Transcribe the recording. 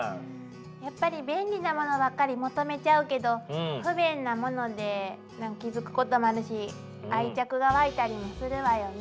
やっぱり便利なものばっかり求めちゃうけど不便なもので気付くこともあるし愛着が湧いたりもするわよね。